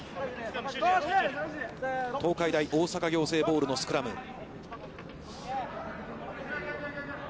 東海大大阪仰星ボールのスクラム。